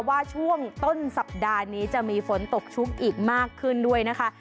ว่าช่วงต้นสัปดาห์นี้จะมีฝนตกชุกอีกมากขึ้นด้วยนะคะ